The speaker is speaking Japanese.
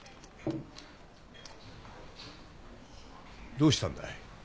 どうしたんだい？